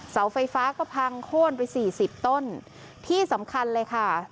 เสาไฟฟ้าก็พังโค้นไปสี่สิบต้นที่สำคัญเลยค่ะ